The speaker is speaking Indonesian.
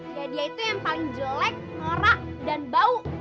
ya dia itu yang paling jelek ngora dan bau